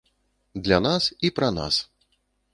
Для нас і пра нас.